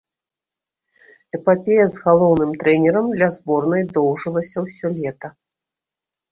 Эпапея з галоўным трэнерам для зборнай доўжылася ўсё лета.